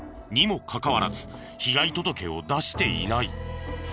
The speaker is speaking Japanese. にもかかわらず被害届を出していない。